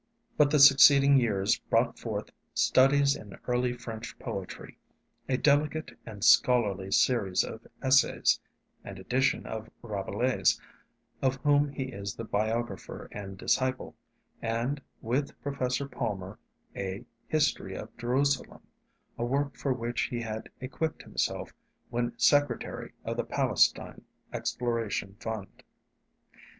But the succeeding years brought forth 'Studies in Early French Poetry,' a delicate and scholarly series of essays; an edition of Rabelais, of whom he is the biographer and disciple, and, with Professor Palmer, a 'History of Jerusalem,' a work for which he had equipped himself when secretary of the Palestine Exploration Fund.